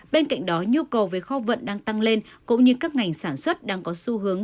bên cạnh đó nhu cầu về kho vận đang tăng lên cũng như các ngành sản xuất đang có xu hướng